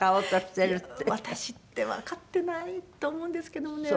私ってわかってないと思うんですけどもね。